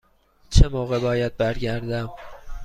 چه موقع باید برگردم؟